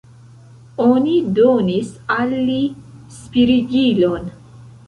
Oni donis al li spirigilon.